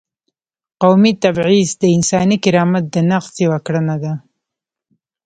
قومي تبعیض د انساني کرامت د نقض یوه کړنه ده.